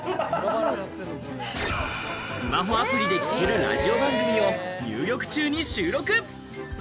スマホアプリの聞けるラジオ番組を入浴中に収録。